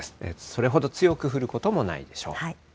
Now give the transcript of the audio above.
それほど強く降ることもないでしょう。